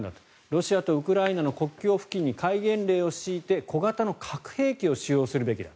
ロシアとウクライナの国境付近に戒厳令を敷いて小型の核兵器を使用するべきだ